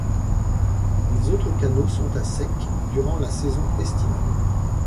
Les autres canaux sont à sec durant la saison estivale.